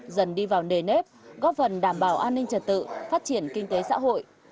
dần đi vào nề nếp góp phần đảm bảo an ninh trật tự phát triển kinh tế xã hội